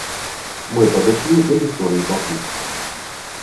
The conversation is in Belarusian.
Мы падышлі да гісторыі пакут.